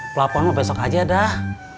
pelapon besok aja dah